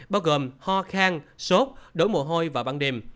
bao gồm ho khang sốt đổi mồ hôi và băng đềm